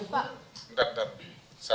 dan dan satu indonesia